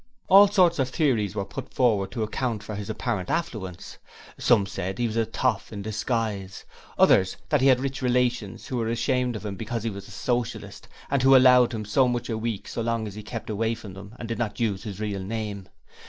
All sorts of theories were put forward to account for his apparent affluence. Some said he was a toff in disguise; others that he had rich relations who were ashamed of him because he was a Socialist, and who allowed him so much a week so long as he kept away from them and did not use his real name.